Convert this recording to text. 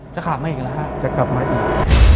จะกลับมาอีกแล้วฮะจะกลับมาอีก